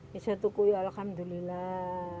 bisa tukuy alhamdulillah